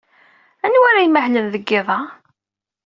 Anwa ara imahlen deg yiḍ-a?